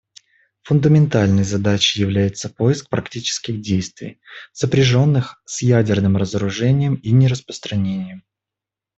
Фундаментальной задачей является поиск практических действий, сопряженных с ядерным разоружением и нераспространением.